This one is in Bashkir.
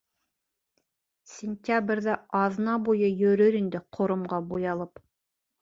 Сентябрҙә аҙна буйы йөрөр инде ҡоромға буялып.